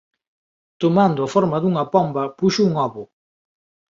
Tomando a forma dunha pomba puxo un ovo.